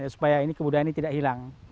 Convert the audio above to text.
supaya ini kebudayaan ini tidak hilang